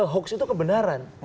hoax itu kebenaran